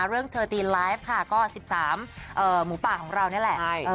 เรื่องเทอร์ทีนไลฟ์ค่ะก็สิบสามหมูป่าของเรานี่แหละ